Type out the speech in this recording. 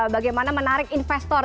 bagaimana menarik investor